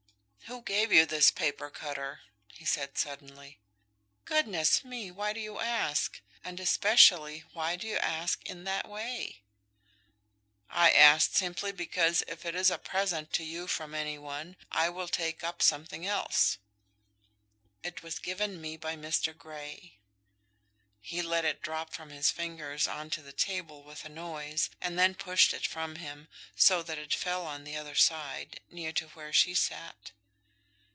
"Who gave you this paper cutter?" he said, suddenly. "Goodness me, why do you ask? and especially, why do you ask in that way?" "I asked simply because if it is a present to you from any one, I will take up something else." "It was given me by Mr. Grey." He let it drop from his fingers on to the table with a noise, and then pushed it from him, so that it fell on the other side, near to where she sat.